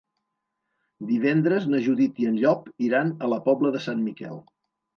Divendres na Judit i en Llop iran a la Pobla de Sant Miquel.